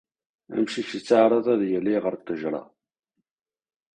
Amcic yettɛaraḍ ad yali ɣer ttejra.